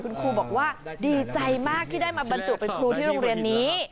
คุณครูบอกว่าดีใจมากที่ได้มาบรรจุเป็นครูที่โรงเรียนนี้